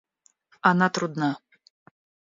Она трудна.